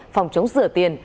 phòng chống rửa tiền